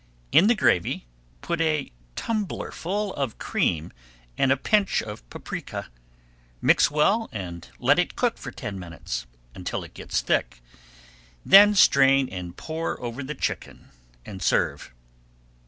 In the gravy put a tumblerful of cream and a pinch of paprika, mix well and let it cook for ten minutes, until it gets thick, then strain and pour over the chicken and serve.